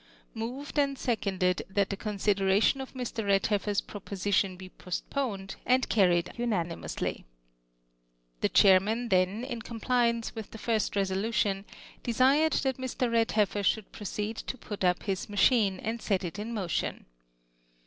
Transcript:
Gloved and seconded, that the consideration of ;:',Ir. Redliefler's proposition be postponed, and car ried unanimotisly. The chairman then, in compliance v/ith tlie first resolution, desired that Mr. Hcdlieifer should pro ceed to put up his machine, and set it in motion.